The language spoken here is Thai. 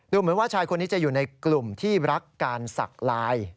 เหมือนว่าชายคนนี้จะอยู่ในกลุ่มที่รักการสักลาย